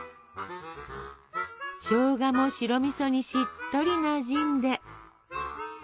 しょうがも白みそにしっとりなじんで。